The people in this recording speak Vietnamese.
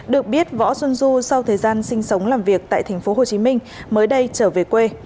được biết võ xuân du sau thời gian sinh sống làm việc tại tp hcm mới đây trở về quê